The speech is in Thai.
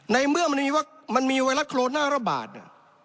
ในเมื่อมันมีวัคมันมีไวรัสโคโรนาระบาดน่ะ